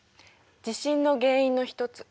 地震の原因の一つ。